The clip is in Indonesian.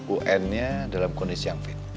un nya dalam kondisi yang fit